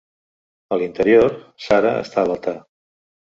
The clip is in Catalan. A l'interior, Sarah està a l'altar.